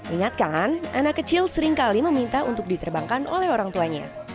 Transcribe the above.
ingatkan anak kecil seringkali meminta untuk diterbangkan oleh orang tuanya